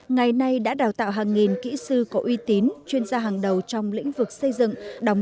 ngày nay đã đào tạo hàng nghìn kỹ sư có uy tín chuyên gia hàng đầu trong lĩnh vực xây dựng